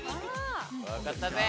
わかったぜ！